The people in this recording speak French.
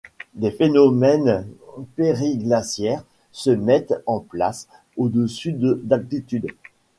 Des phénomènes périglaciaires se mettent en place au-dessus de d'altitude.